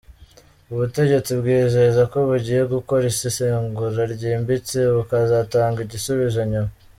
Ubutegetsi bwizeza ko bugiye gukora isesengura ryimbitse bukazatanga igisubizo nyuma.